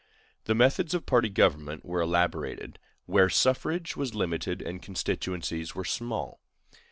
The methods of party government were elaborated where suffrage was limited and constituencies were small.